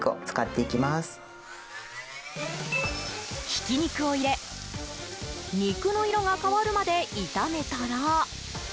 ひき肉を入れ肉の色が変わるまで炒めたら。